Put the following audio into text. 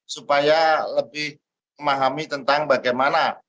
supaya lebih memahami tentang bagaimana